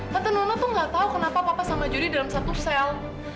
tante nona tuh nggak tahu kenapa papa sama jody dalam satu sel